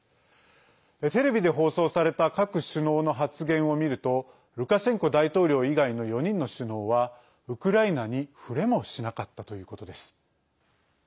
テレビで放送された各首脳の発言を見るとルカシェンコ大統領以外の４人の首脳はウクライナに触れもしなかったということです。